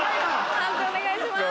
判定お願いします。